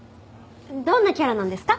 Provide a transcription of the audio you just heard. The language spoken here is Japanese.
どんなキャラなんですか？